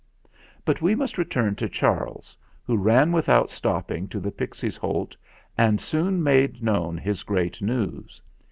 But we must return to Charles, who ran without stopping to the Pixies' Holt and soon made known his great news.